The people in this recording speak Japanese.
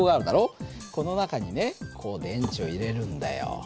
この中にねこう電池を入れるんだよ。